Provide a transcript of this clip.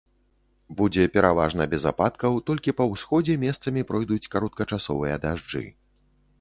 Будзе пераважна без ападкаў, толькі па ўсходзе месцамі пройдуць кароткачасовыя дажджы.